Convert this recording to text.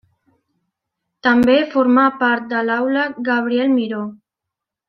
També formà part de l'Aula Gabriel Miró.